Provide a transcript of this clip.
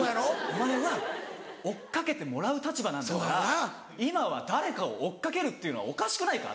「お前は追っ掛けてもらう立場なんだから今は誰かを追っ掛けるっていうのはおかしくないか？」